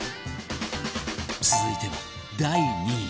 続いては第２位